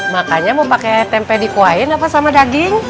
makanya mau pakai tempe di kuahin apa sama daging